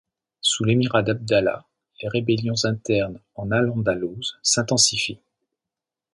Sous l’émirat d'Abd Allāh les rébellions internes en al-Andalus s’intensifient.